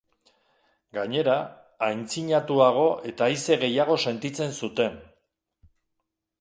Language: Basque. Gainera, aitzinatuago eta haize gehiago sentitzen zuten.